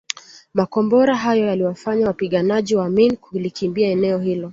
Makombora hayo yaliwafanya wapiganaji wa Amin kulikimbia eneo hilo